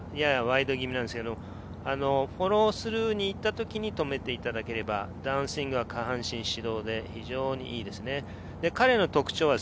スタンスがややワイド気味でフォロースルーに行った時に止めていただければ、ダウンスイングは下半身主導で非常にいいですね。